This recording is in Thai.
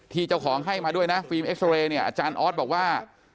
เจ้าของให้มาด้วยนะฟิล์เอ็กซอเรย์เนี่ยอาจารย์ออสบอกว่า